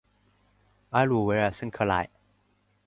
埃鲁维尔圣克莱。